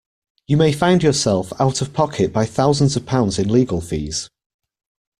You may find yourself out of pocket by thousands of pounds in legal fees.